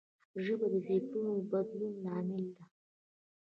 ژبه د فکرونو د بدلون لامل ده